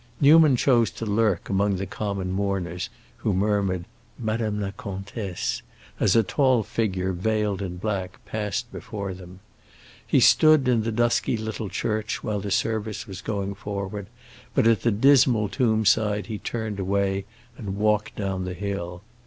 Newman chose to lurk among the common mourners who murmured "Madame la Comtesse" as a tall figure veiled in black passed before them. He stood in the dusky little church while the service was going forward, but at the dismal tomb side he turned away and walked down the hill.